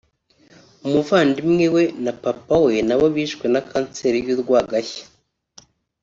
umuvandimwe we na papa we nabo bishwe na Kanseri y’ urwagashya